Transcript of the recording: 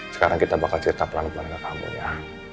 sekarang kita bakal cerita pelan pelan ke kamu ya